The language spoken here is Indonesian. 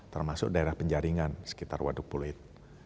termasuk daerah penjaringan sekitar waduk pulit